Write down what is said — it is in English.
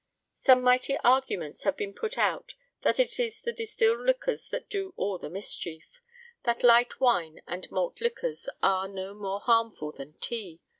"Some mighty arguments have been put out that it is the distilled liquors that do all the mischief; that light wine and malt liquors are no more harmful than tea.